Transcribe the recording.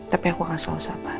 tapi aku akan selesaikan